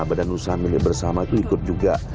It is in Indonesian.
badan usaha milik bersama itu ikut juga